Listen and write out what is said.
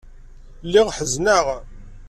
Lliɣ ḥezneɣ.